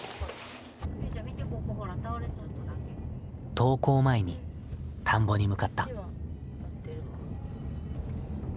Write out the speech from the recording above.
登校前に田んぼに向かった。